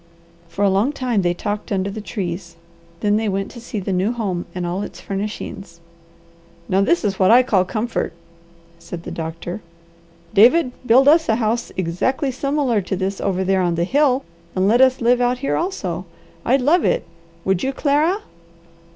For a long time they talked under the trees, then they went to see the new home and all its furnishings. "Now this is what I call comfort," said the doctor. "David, build us a house exactly similar to this over there on the hill, and let us live out here also. I'd love it. Would you, Clara?"